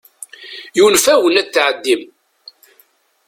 Yunef-awen ad tɛeddim.